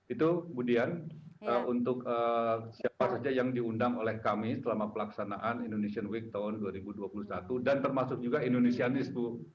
itu kemudian untuk siapa saja yang diundang oleh kami selama pelaksanaan indonesian week tahun dua ribu dua puluh satu dan termasuk juga indonesianis bu